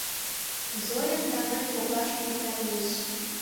Зоям да монь коклаш пурта лиеш.